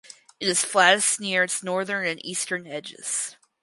It is flattest near its northern and eastern edges.